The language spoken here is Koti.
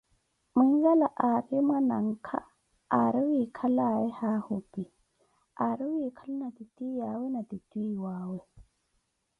Muinzala arri mwananka ari wiyaye hahupi aari wikhalana titiyawe na titiyuawe